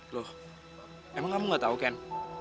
loh emang kamu gak tahu ken